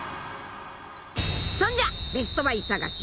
［そんじゃ］